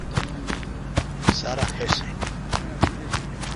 Sarah Essen.